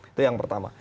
itu yang pertama